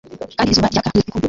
kandi izuba ryaka mu rukundo